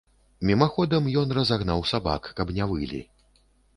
Мімаходам ён разагнаў сабак, каб не вылі.